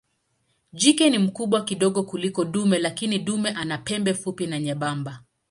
Jike ni mkubwa kidogo kuliko dume lakini dume ana pembe fupi na nyembamba.